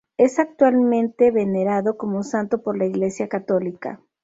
Es actualmente venerado como santo por la Iglesia católica.